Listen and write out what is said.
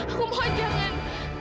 aku mohon jangan